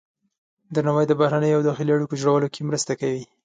درناوی د بهرنیو او داخلي اړیکو جوړولو کې مرسته کوي.